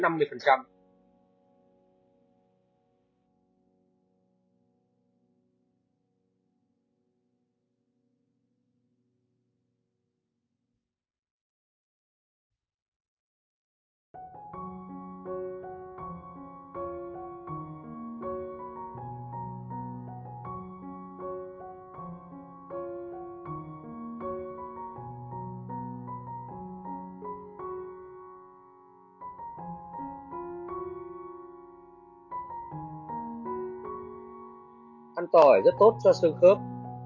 ăn tỏi rất tốt cho sương khớp